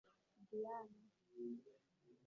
Diane